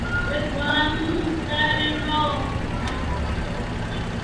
El doblaje para el español fue realizado en Colombia y participaron dos mexicanos.